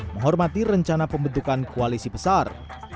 menghormati rencana pembentukan koalisi besar